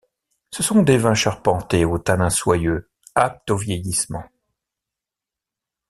Ce sont des vins charpentés aux tanins soyeux, aptes au vieillissement.